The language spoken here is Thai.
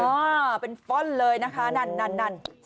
อ้าวเป็นฟอนด์เลยนะคะนั่น